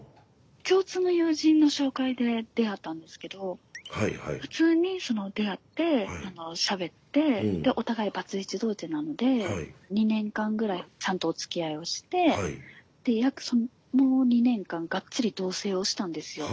共通の友人の紹介で出会ったんですけど普通に出会ってしゃべってでお互いバツイチ同士なので２年間ぐらいちゃんとおつきあいをしてで約その２年間がっつり同せいをしたんですよ。